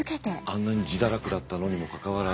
あんなに自堕落だったのにもかかわらず？